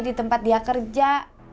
di tempat dia kerja